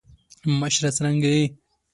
مشره څرنګه یی.